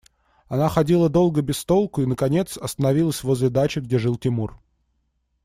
Она ходила долго без толку и наконец остановилась возле дачи, где жил Тимур.